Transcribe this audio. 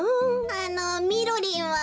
あのみろりんは？